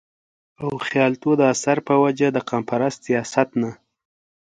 او خياالتو د اثر پۀ وجه د قامپرست سياست نه